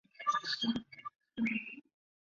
半美分硬币则予废除。